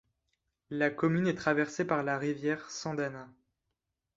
La commune est traversée par la rivière Sandana.